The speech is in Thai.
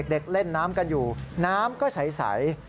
เด็กเล่นน้ำกันอยู่น้ำก็ใส